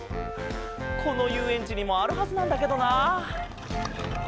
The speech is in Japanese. このゆうえんちにもあるはずなんだけどな。